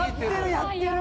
やってる！